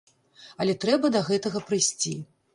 Але трэба да гэтага прыйсці.